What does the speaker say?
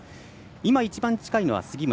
今一番近いのは杉村。